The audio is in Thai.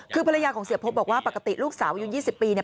คือภรรยาของเสียบพบบอกว่าปกติลูกสาวอยู่๒๐ปี